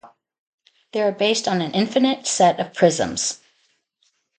They are based on an infinite set of prisms.